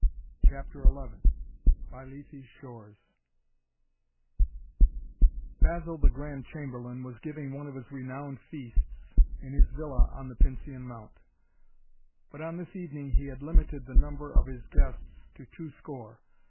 CHAPTER XI BY LETHE'S SHORES Basil the Grand Chamberlain was giving one of his renowned feasts in his villa on the Pincian Mount. But on this evening he had limited the number of his guests to two score.